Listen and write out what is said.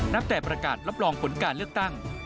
แต่ประกาศรับรองผลการเลือกตั้ง